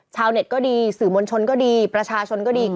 ชาวเน็ตก็ดีสื่อมวลชนก็ดีประชาชนก็ดี